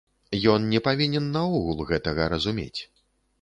Ён не павінен наогул гэтага разумець.